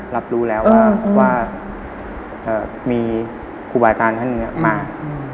รับรู้แล้วว่ามีครูบายจานท่านเนื้อมาก